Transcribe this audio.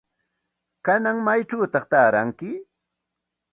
¿Kanan maychawta taaranki?